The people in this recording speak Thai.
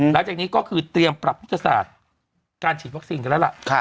หลังจากนี้ก็คือเตรียมปรับยุทธศาสตร์การฉีดวัคซีนกันแล้วล่ะ